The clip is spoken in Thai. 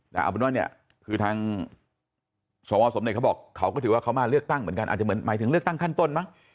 แต่สวรรพ์สมเนษฐ์ถือกเขามาเลือกตั้งหมายถึงเลือกตั้งขั้นต้นมั้ง